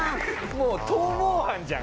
もう逃亡犯じゃん！